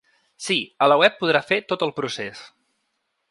Si, a la web podrà fer tot el procés.